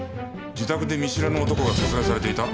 自宅で見知らぬ男が殺害されていた？